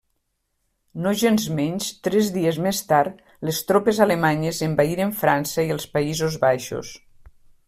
Nogensmenys, tres dies més tard les tropes alemanyes envaïren França i els Països Baixos.